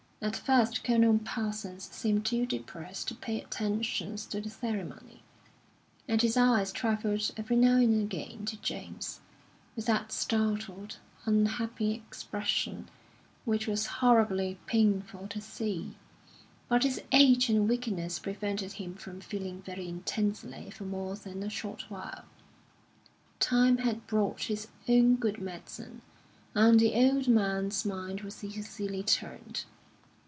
At first Colonel Parsons seemed too depressed to pay attention to the ceremony, and his eyes travelled every now and again to James, with that startled, unhappy expression which was horribly painful to see. But his age and weakness prevented him from feeling very intensely for more than a short while; time had brought its own good medicine, and the old man's mind was easily turned.